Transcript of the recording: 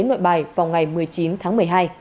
nội bài vào ngày một mươi chín tháng một mươi hai